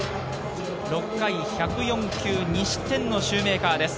６回、１０４球、２失点のシューメーカーです。